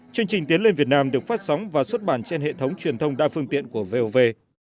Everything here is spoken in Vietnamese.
chương trình tiến lên việt nam được phát sóng và xuất bản trên hệ thống truyền thông đa phương tiện của vov